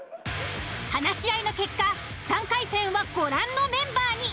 話し合いの結果３回戦はご覧のメンバーに。